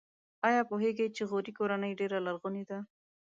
ایا پوهیږئ چې غوري کورنۍ ډېره لرغونې ده؟